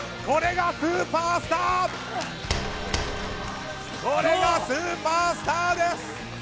これがスーパースターです！